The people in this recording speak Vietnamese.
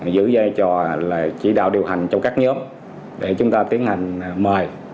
giữ giai trò chỉ đạo điều hành trong các nhóm để chúng ta tiến hành mời